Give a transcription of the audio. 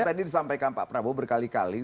tadi disampaikan pak prabowo berkali kali